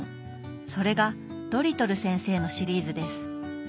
それが「ドリトル先生」のシリーズです。